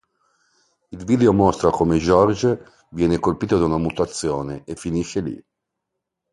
Il video mostra come George viene colpito da una mutazione e finisce lì.